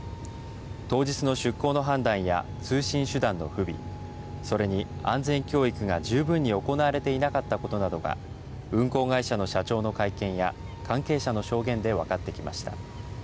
当日の出航の判断や通信手段の不備、それに安全教育が十分に行われていなかったことなどが運航会社の社長の会見や関係者の証言で分かってきました。